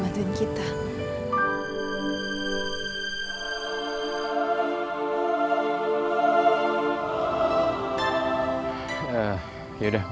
maaf ya pak